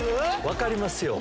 分かりますよ。